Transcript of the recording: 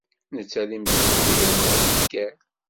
Netta d imsujji yerna d aneggal.